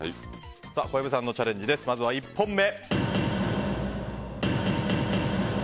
小籔さんのチャレンジですまずは１本目。